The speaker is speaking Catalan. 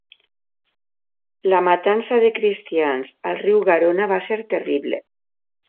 La matança de cristians al riu Garona va ser terrible.